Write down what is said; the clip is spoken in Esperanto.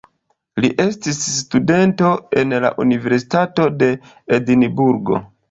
Li estis studento en la universitato de Edinburgo.